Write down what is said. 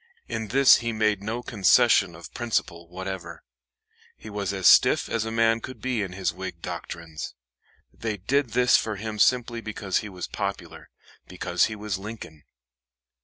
In this he made no concession of principle whatever. He was as stiff as a man could be in his Whig doctrines. They did this for him simply because he was popular because he was Lincoln.